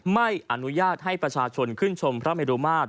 ไม่อนุญาตให้ประชาชนขึ้นชมพระเมรุมาตร